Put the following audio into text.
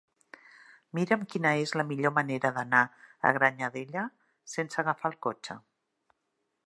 Mira'm quina és la millor manera d'anar a Granyanella sense agafar el cotxe.